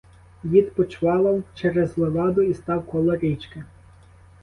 Дід почвалав через леваду і став коло річки.